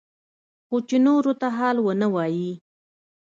خو چې نورو ته حال ونه وايي.